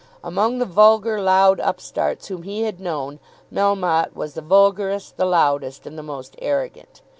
Among the vulgar, loud upstarts whom he had known, Melmotte was the vulgarest, the loudest, and the most arrogant.